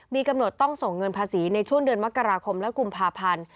มีกำหนดต้องส่งเงินภาษีในช่วงเดือนมกราคมและกุมภาพันธ์